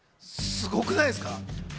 すごくないですか？